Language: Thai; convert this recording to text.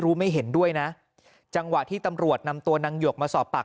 ไม่เห็นด้วยนะจังหวะที่ตำรวจนำตัวนางหยกมาสอบปาก